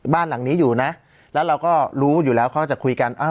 บ้านหลังนี้อยู่นะแล้วเราก็รู้อยู่แล้วเขาก็จะคุยกัน